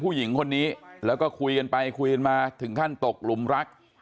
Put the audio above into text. ผู้หญิงคนนี้แล้วก็คุยกันไปคุยกันมาถึงขั้นตกหลุมรัก